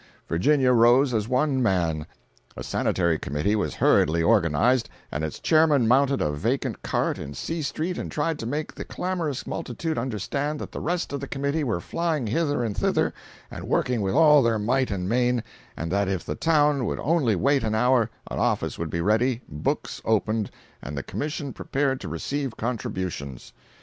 Virginia rose as one man! A Sanitary Committee was hurriedly organized, and its chairman mounted a vacant cart in C street and tried to make the clamorous multitude understand that the rest of the committee were flying hither and thither and working with all their might and main, and that if the town would only wait an hour, an office would be ready, books opened, and the Commission prepared to receive contributions.